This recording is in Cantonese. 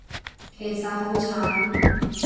其實好慘